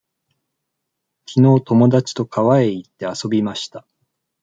きのう友達と川へ行って、遊びました。